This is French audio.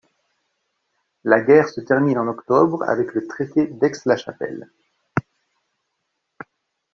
La guerre se termine en octobre avec le Traité d'Aix-La-Chapelle.